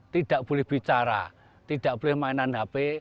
tidak boleh bicara tidak boleh mainan hp